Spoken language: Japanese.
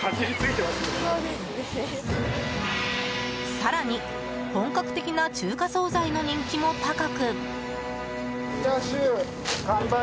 更に、本格的な中華総菜の人気も高く。